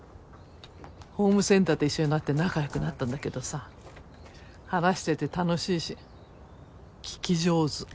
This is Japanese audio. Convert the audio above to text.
ホームセンターで一緒になって仲良くなったんだけどさ話してて楽しいし聞き上手。